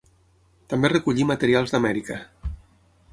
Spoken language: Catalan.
També recollí materials d'Amèrica.